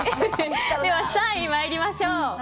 では、３位参りましょう。